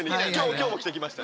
今日も着てきました。